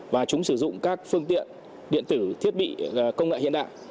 và chúng sử dụng các phương tiện điện tử thiết bị công nghệ hiện đại